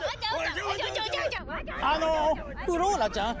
あのフローラちゃん？